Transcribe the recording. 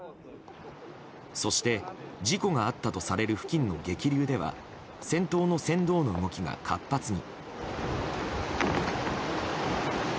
そして、事故があったとされる付近の激流では先頭の船頭の動きが活発に。